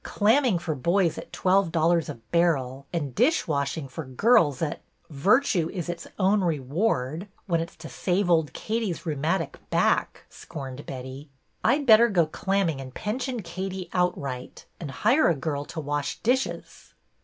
(flamming for boys at twelve dollars a barrel, and dish washing for girls at — virtue is its own reward — when it 's to save old Katie's rheumatic back," scorned Betty. " I 'd better go clamming and pension Katie outright, and hire a girl to wash dishes."